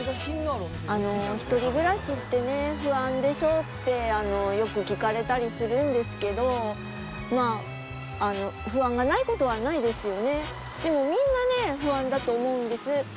１人暮らしってね、不安でしょってよく聞かれたりするんですけど、まあ、不安ないことはないですよね、でもみんなね、不安だと思うんです。